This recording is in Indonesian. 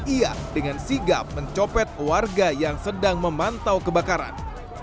ia dengan sigap mencopet warga yang sedang memantau kebakaran